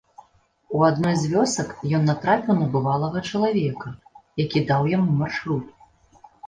У адной з вёсак ён натрапіў на бывалага чалавека, які даў яму маршрут.